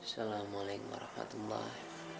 selama'alai'kum warahmatullahi wabarakatuh